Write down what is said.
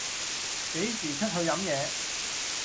幾時出去飲野